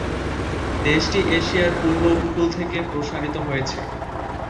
দেশটি এশিয়ার পূর্ব উপকূল থেকে প্রসারিত হয়েছে।